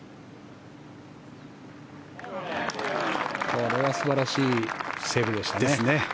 これは素晴らしいセーブでしたね。